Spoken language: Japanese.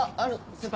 先輩。